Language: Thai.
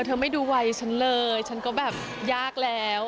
เธอไม่ดูวัยฉันเลยฉันก็แบบยากแล้ว